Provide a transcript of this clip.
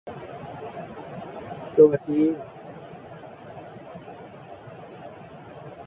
He is a retired lecturer of English Literature at South Tyneside College.